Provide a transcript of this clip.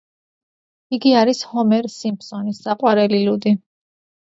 იგი არის ჰომერ სიმფსონის საყვარელი ლუდი.